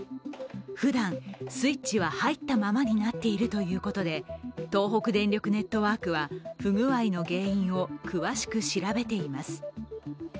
ふだん、スイッチは入ったままになっているということで東北電力ネットワークはふぐあいの原因を詳しく調べています。